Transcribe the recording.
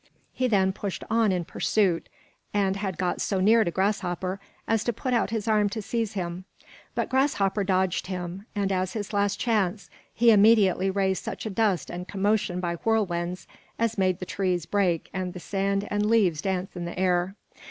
He then pushed on in pursuit, and had got so near to Grasshopper as to put out his arm to seize him; but Grasshopper dodged him, and, as his last chance, he immediately raised such a dust and commotion by whirlwinds, as made the trees break and the sand and leaves dance in the air.